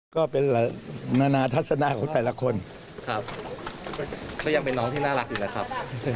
ก็เป็นนานาทัศนาของแต่ละคนก็ยังเป็นน้องที่น่ารักอยู่แล้วครับ